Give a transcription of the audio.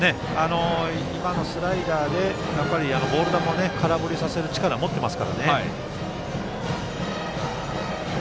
今のスライダーでボール球を空振りさせる力を持っています。